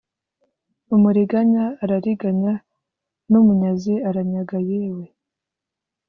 umuriganya arariganya n umunyazi aranyaga Yewe